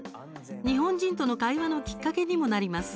日本人との会話のきっかけにもなります。